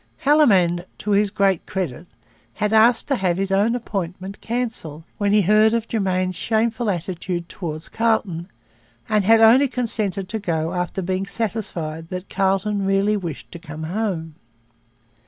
Haldimand, to his great credit, had asked to have his own appointment cancelled when he heard of Germain's shameful attitude towards Carleton, and had only consented to go after being satisfied that Carleton really wished to come home.